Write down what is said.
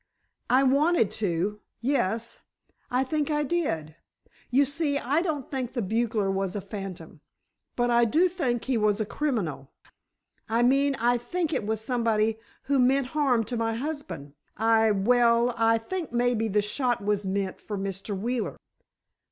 "I wanted to—yes, I think I did. You see, I don't think the bugler was a phantom, but I do think he was a criminal. I mean, I think it was somebody who meant harm to my husband. I—well—I think maybe the shot was meant for Mr. Wheeler."